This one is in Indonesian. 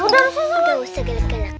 sabar sabar gak usah gelak gelak